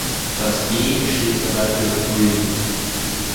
Das ‚g‘ steht dabei für "Grid".